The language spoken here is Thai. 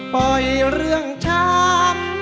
ปล่อยเรื่องช้ำ